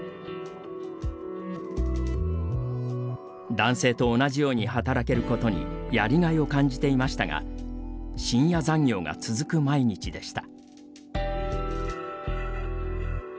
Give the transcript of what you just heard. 男性と同じように働けることにやりがいを感じていましたが深夜残業が続く毎日でした。